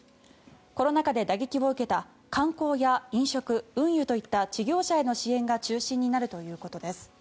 コロナ禍で打撃を受けた観光や飲食、運輸といった事業者への支援が中心になるということです。